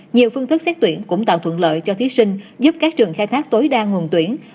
nhiều phương thức xét tuyển cũng tạo thuận lợi cho thí sinh giúp các trường khai thác tối đa nguồn tuyển